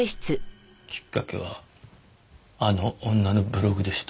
きっかけはあの女のブログでした。